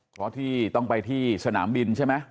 เพราะที่ต้องไปที่สนามบินใช่ไหม